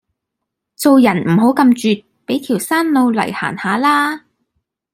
做人唔好咁絕俾條生路嚟行吓啦